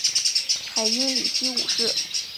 海因里希五世。